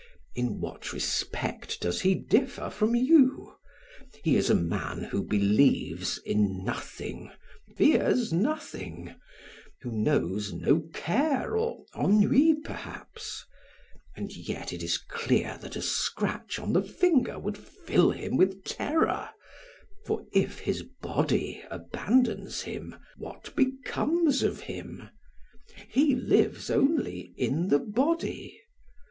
In what respect does he differ from you? He is a man who believes in nothing, fears nothing, who knows no care or ennui, perhaps, and yet it is clear that a scratch on the finger would fill him with terror, for if his body abandons him, what becomes of him? He lives only in the body.